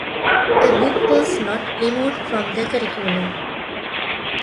The book was not removed from the curriculum.